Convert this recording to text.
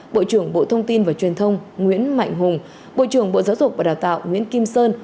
bộ trưởng bộ thông tin và truyền thông nguyễn mạnh hùng bộ trưởng bộ giáo dục và đào tạo nguyễn kim sơn